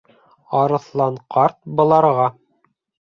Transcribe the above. Арыҫлан ҡарт быларға: